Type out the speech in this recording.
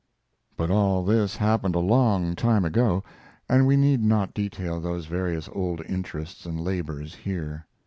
But all this happened a long time ago, and we need not detail those various old interests and labors here.